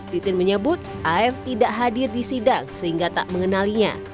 titin menyebut af tidak hadir di sidang sehingga tak mengenalinya